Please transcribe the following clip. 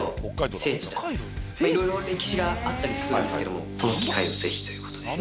聖地だったり、いろいろ、歴史があったりするんですけども、この機会をぜひということで。